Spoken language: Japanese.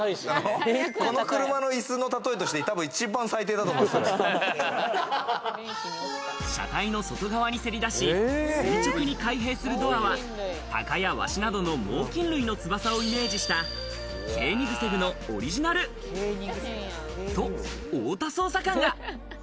この車の椅子の例えとして、車体の外側にせり出し、垂直に開閉するドアは、タカやワシなどの猛きん類の翼をイメージしたケーニグセグのオリジナル。と、太田捜査官が。